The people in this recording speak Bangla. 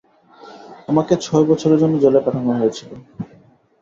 আমাকে ছয় বছরের জন্য জেলে পাঠানো হয়েছিল।